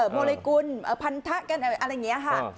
โมริกุลพันธะกันอะไรอย่างนี้ค่ะ